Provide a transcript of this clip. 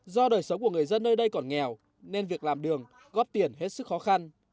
do đời sống của người dân nơi đây còn nghèo nên việc làm đường góp tiền hết sức khó khăn